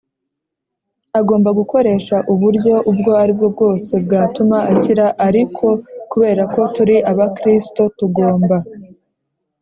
agomba gukoresha uburyo ubwo ari bwo bwose bwatuma akira Ariko kubera ko turi Abakristo tugomba